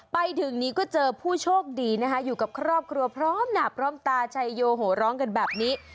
ไปถึงนี้ก็เจอผู้โชคดีนะคะอยู่กับครอบครัวพร้อมหนาพร้อมตาชัยโยโหร้องกันแบบนี้